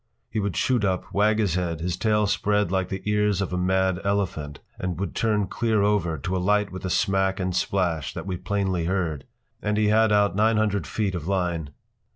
He would shoot up, wag his head, his sail spread like the ears of a mad elephant, and he would turn clear over to alight with a smack and splash that we plainly heard. And he had out nine hundred feet of line.